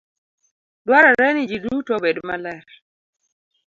Dwarore ni ji duto obed maler.